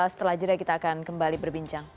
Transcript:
setelah jeda kita akan kembali berbincang